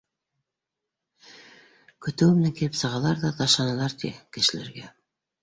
Көтөүе менән килеп сығалар ҙа ташланалар, ти, кешеләргә.